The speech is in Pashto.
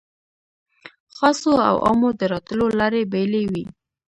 خاصو او عامو د راتلو لارې بېلې وې.